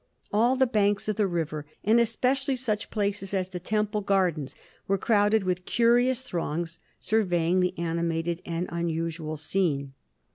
All the banks of the river — and especially such places as the Temple Grardens — ^were crowded with curious throngs surveying the animated and unusual scene.